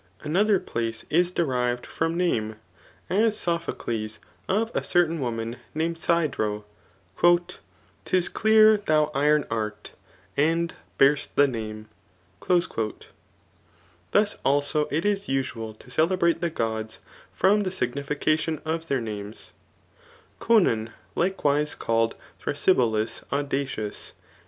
Another place is derived from name ; as Sopho cles [of a certain woman named Sidero^ 'Tls clear thou iron art, and bcar'st the name. Thus also it is usual to celebrate the gods [from the sig nifieadoii of their names.] Gcoion UiLewise called Thrm^ st/buluss audackms.